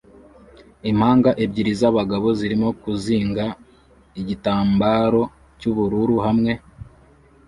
Impanga ebyiri zabagabo zirimo kuzinga igitambaro cyubururu hamwe